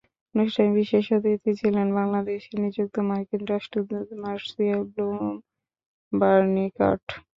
অনুষ্ঠানে বিশেষ অতিথি ছিলেন বাংলাদেশে নিযুক্ত মার্কিন রাষ্ট্রদূত মার্সিয়া ব্লুম বার্নিকাট।